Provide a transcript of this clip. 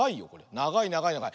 ながいながいながい。